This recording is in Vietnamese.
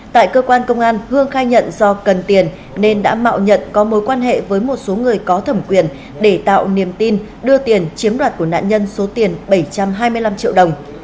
tại cơ quan công an hương khai nhận do cần tiền nên đã mạo nhận có mối quan hệ với một số người có thẩm quyền để tạo niềm tin đưa tiền chiếm đoạt của nạn nhân số tiền bảy trăm hai mươi năm triệu đồng